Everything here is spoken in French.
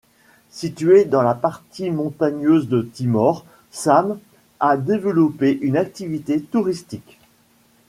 Située dans la partie montagneuse de Timor, Same a développé une activité touristique.